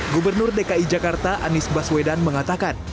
gubernur dki jakarta anies baswedan mengatakan